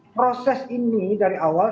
proses ini dari awal